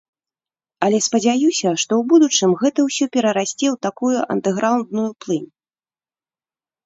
Але спадзяюся, што ў будучым гэта ўсё перарасце ў такую андэграўндную плынь.